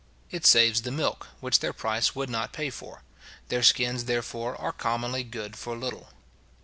It saves the milk, which their price would not pay for. Their skins, therefore, are commonly good for little.